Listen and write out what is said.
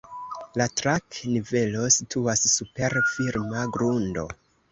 La trak-nivelo situas super firma grundo.